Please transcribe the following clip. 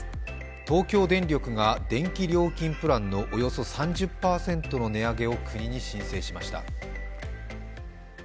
東京電力が電気料金プランのおよそ３０％の値上げを国に申請しました。